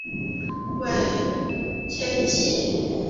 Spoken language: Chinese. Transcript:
尾纤细。